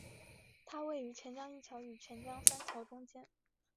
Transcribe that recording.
它位于钱江一桥与钱江三桥之间。